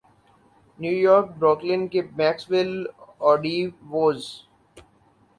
new York Brooklyn کے Maxwell آرڈی was